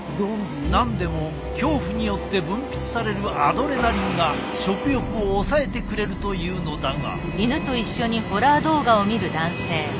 何でも恐怖によって分泌されるアドレナリンが食欲を抑えてくれるというのだが。